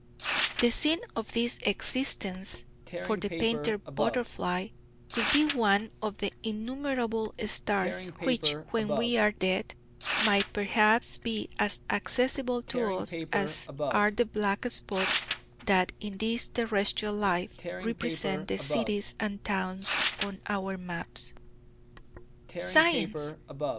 The scene of this existence for the painter butterfly could be one of the innumerable stars which, when we are dead, might perhaps be as accessible to us as are the black spots that in this terrestrial life represent the cities and towns on our maps. Science!